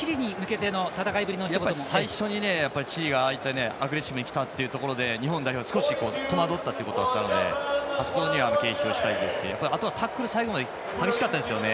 最初にチリがアグレッシブにきたというところで日本代表少し戸惑ったところがあったのであそこは敬意を表したいですしあとは、タックル最後まで激しかったですよね。